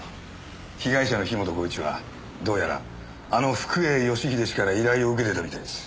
被害者の樋本晃一はどうやらあの福栄義英氏から依頼を受けてたみたいです。